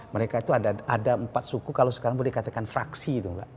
mereka itu ada empat suku kalau sekarang boleh dikatakan fraksi itu mbak